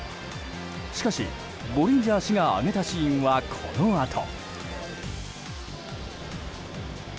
しかし、ボリンジャー氏が挙げたシーンは、このあと。